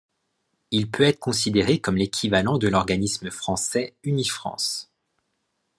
Il peut être considéré comme l'équivalent de l'organisme français Unifrance.